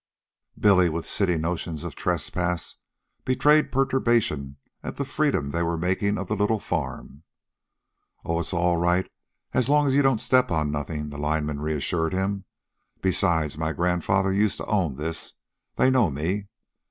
Billy, with city notions of trespass, betrayed perturbation at the freedom they were making of the little farm. "Oh, it's all right, as long as you don't step on nothin'," the lineman reassured him. "Besides, my grandfather used to own this. They know me.